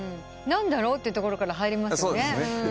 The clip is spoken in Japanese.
何だろうってところから入りますよね。